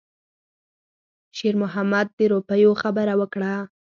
شېرمحمد د روپیو خبره وکړه.